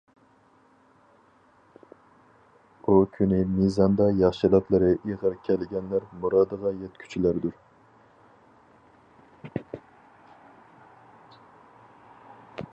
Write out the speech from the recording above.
ئۇ كۈنى مىزاندا ياخشىلىقلىرى ئېغىر كەلگەنلەر مۇرادىغا يەتكۈچىلەردۇر.